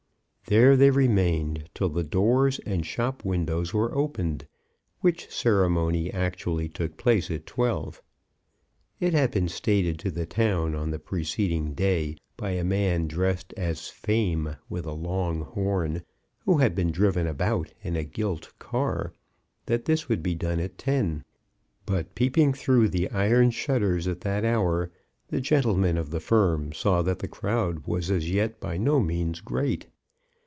There they remained till the doors and shop windows were opened, which ceremony actually took place at twelve. It had been stated to the town on the preceding day by a man dressed as Fame, with a long horn, who had been driven about in a gilt car, that this would be done at ten. But peeping through the iron shutters at that hour, the gentlemen of the firm saw that the crowd was as yet by no means great.